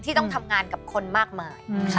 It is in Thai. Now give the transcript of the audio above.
ต้องทำงานกับคนมากมาย